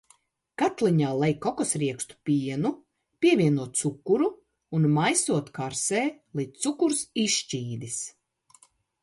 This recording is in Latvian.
Katliņā lej kokosriekstu pienu, pievieno cukuru un maisot karsē, līdz cukurs izšķīdis.